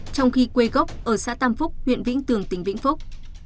trong khi quê gốc ở xã tam phúc huyện vĩnh tường tỉnh vĩnh phúc